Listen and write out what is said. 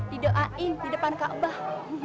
didoain di depan ka'bah